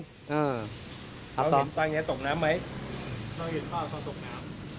เราเห็นตอนนี้ตกน้ำไหมเราเห็นพ่อเขาตกน้ำ